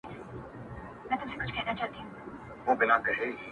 هغه د بل د كور ډېوه جوړه ده؛